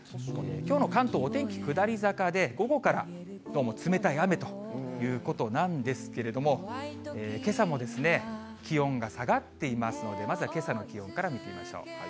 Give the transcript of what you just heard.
きょうの関東、お天気下り坂で、午後からどうも冷たい雨ということなんですけれども、けさも気温が下がっていますので、まずはけさの気温から見てみましょう。